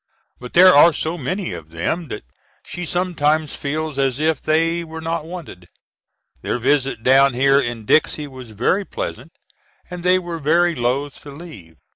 But there are so many of them that she sometimes feels as if they were not wanted. Their visit down here in Dixie was very pleasant and they were very loth to leave.